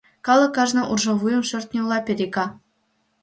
Калык кажне уржавуйым шӧртньыла перега.